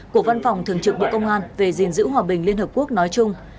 của văn phòng thường trực bộ công an về gìn giữ hòa bình liên hợp quốc nói chung